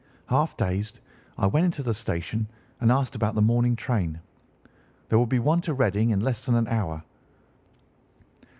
"Half dazed, I went into the station and asked about the morning train. There would be one to Reading in less than an hour.